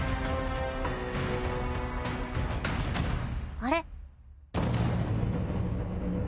あれ？